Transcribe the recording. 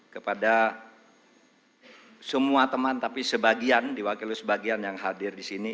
kepada semua teman tapi diwakili sebagian yang hadir disini